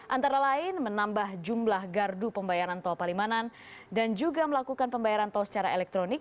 antara lain menambah jumlah gardu pembayaran tol palimanan dan juga melakukan pembayaran tol secara elektronik